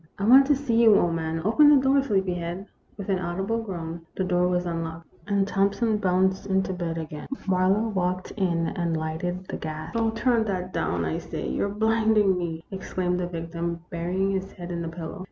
" I want to see you, old man. Open the door, sleepyhead." With an audible groan, the door was unlocked, and Thompson bounced into bed again. Marlowe walked in and lighted the gas. " Oh, turn that down, I say ; you 're blinding me !" exclaimed the victim, burying his head in the pillow.